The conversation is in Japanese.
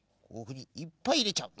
いっぱいいれちゃう。